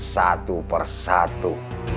satu per satu